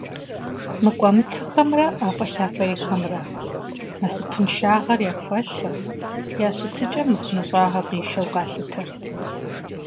МыкӀуэмытэхэмрэ ӀэфӀейлъэфӀейхэмрэ насыпыншагъэр яхуэлъэу, я щытыкӀэм мыхъумыщӀагъэ къишэу къалъытэрт.